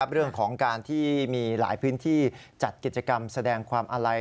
เรื่องของการที่มีหลายพื้นที่จัดกิจกรรมแสดงความอาลัย